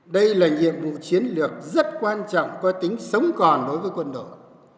đây là nhiệm vụ chiến lược rất quan trọng có tính sống còn đối với quân đội